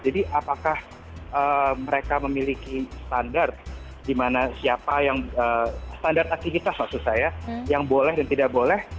jadi apakah mereka memiliki standar standar aktivitas maksud saya yang boleh dan tidak boleh